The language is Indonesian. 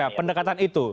ya pendekatan itu